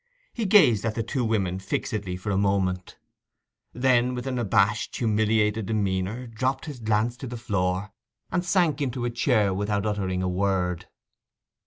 He gazed at the two women fixedly for a moment: then with an abashed, humiliated demeanour, dropped his glance to the floor, and sank into a chair without uttering a word.